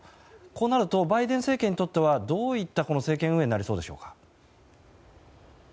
こうなるとバイデン政権にとってはどういった政権運営になりそうでしょうか。